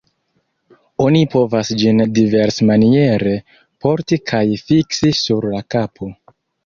Oni povas ĝin diversmaniere porti kaj fiksi sur la kapo.